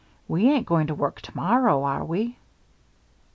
"We ain't going to work to morrow, are we?"